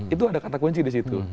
itu ada kata kunci disitu